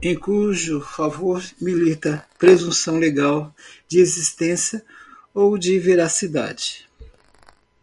em cujo favor milita presunção legal de existência ou de veracidade